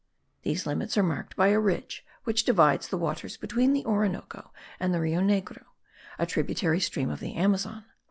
These limits are marked by a ridge which divides the waters between the Orinoco and the Rio Negro, a tributary stream of the Amazon.